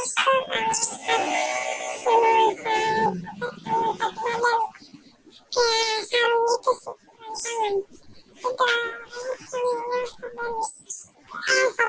saya tidak bisa lagi tidur